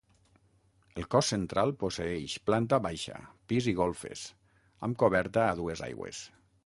El cos central posseeix planta baixa, pis i golfes, amb coberta a dues aigües.